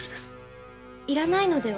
いらないのでは？